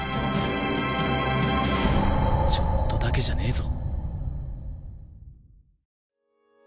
ちょっとだけじゃねえぞ。